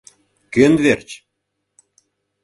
Кӧн верч?..